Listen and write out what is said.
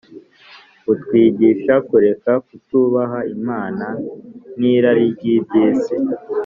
butwigisha kureka kutubaha Imana n’irari ry’iby’isi